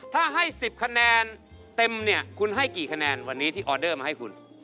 ถ้าให้๑๐คะแนนเต็มเนี่ยคุณให้กี่คะแนนวันนี้ที่ออเดอร์มาให้คุณ